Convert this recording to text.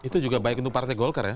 itu juga baik untuk partai golkar ya